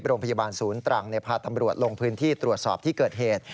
โรงพยาบาลศูนย์ตรังพาตำรวจลงพื้นที่ตรวจสอบที่เกิดเหตุ